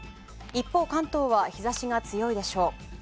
一方、関東は日差しが強いでしょう。